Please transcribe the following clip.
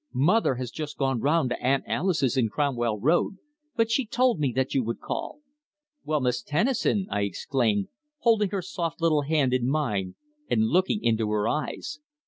Mother has just gone round to Aunt Alice's in Cromwell Road, but she told me that you would call." "Well, Miss Tennison!" I exclaimed, holding her soft little hand in mine, and looking into her eyes.